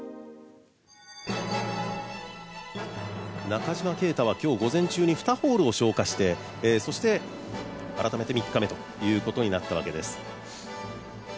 中島啓太は今日、午前中に２ホールを消化してそして、改めて３日目となったわけです。